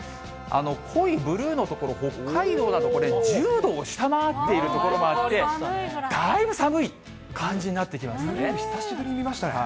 濃いブルーの所、北海道など、これ、１０度を下回っている所もあって、だいぶ寒い感じになって久しぶりに見ましたね。